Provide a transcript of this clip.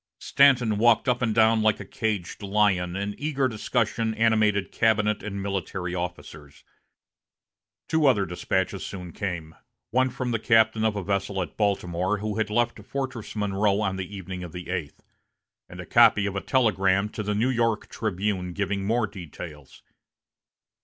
Stanton walked up and down like a caged lion, and eager discussion animated cabinet and military officers. Two other despatches soon came, one from the captain of a vessel at Baltimore, who had left Fortress Monroe on the evening of the eighth, and a copy of a telegram to the "New York Tribune," giving more details.